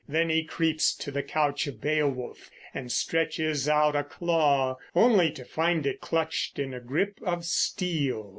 Then he creeps to the couch of Beowulf and stretches out a claw, only to find it clutched in a grip of steel.